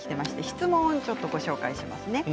質問をご紹介しますね。